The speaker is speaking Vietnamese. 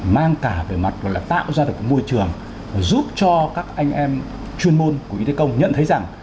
mang cả về mặt và tạo ra được môi trường giúp cho các anh em chuyên môn của y tế công nhận thấy rằng